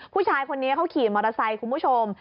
ผู้ชายคนนี้เขาขี่มอเตอร์ไซค์คุณผู้ชม